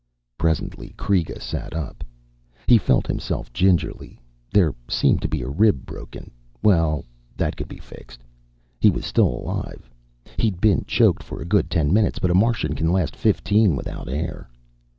Presently Kreega sat up. He felt himself gingerly. There seemed to be a rib broken well, that could be fixed. He was still alive. He'd been choked for a good ten minutes, but a Martian can last fifteen without air.